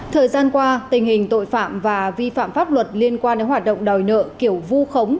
thời gian qua tình hình tội phạm và vi phạm pháp luật liên quan đến hoạt động đòi nợ kiểu vu khống